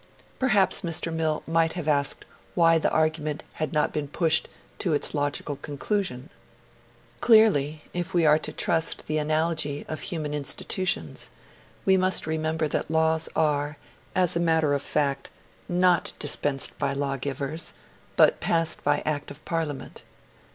Perhaps Mr. Mill might have asked why the argument had not been pushed to its logical conclusion. Clearly, if we are to trust the analogy of human institutions, we must remember that laws are, as a matter of fact, not dispensed by lawgivers, but passed by Act of Parliament.